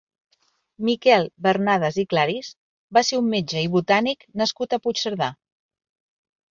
Miquel Bernades i Claris va ser un metge i botànic nascut a Puigcerdà.